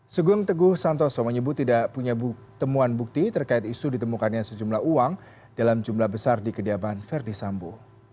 sugeng teguh santoso menyebut tidak punya temuan bukti terkait isu ditemukannya sejumlah uang dalam jumlah besar di kediaman verdi sambo